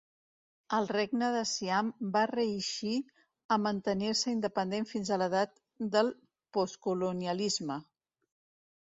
El Regne de Siam va reeixir a mantenir-se independent fins a l'edat del postcolonialisme.